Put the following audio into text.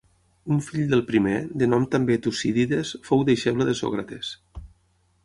Un fill del primer, de nom també Tucídides, fou deixeble de Sòcrates.